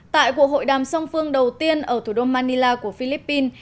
tại cuộc hội đàm song phương đầu tiên ở thủ đô manila của philippines